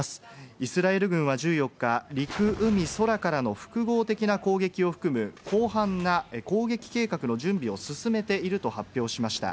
イスラエル軍は１４日、陸、海、空からの複合的な攻撃を含む、広範な攻撃計画の準備を進めていると発表しました。